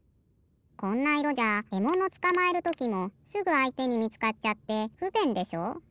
こんないろじゃえものつかまえるときもすぐあいてにみつかっちゃってふべんでしょ。